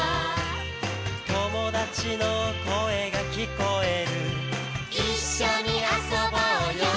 「友達の声が聞こえる」「一緒に遊ぼうよ」